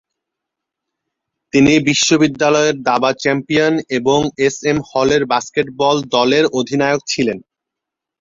তিনি বিশ্ববিদ্যালয়ে দাবা চ্যাম্পিয়ন এবং এস এম হলের বাস্কেটবল দলের অধিনায়ক ছিলেন।